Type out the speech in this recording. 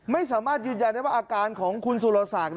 ไม่สามารถยืนยันได้ว่าอาการของคุณสุรศักดิ์